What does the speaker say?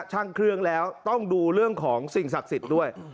ช่างเครื่องแล้วต้องดูเรื่องของสิ่งศักดิ์สิทธิ์ด้วย